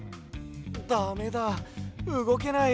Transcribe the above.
だめだうごけない。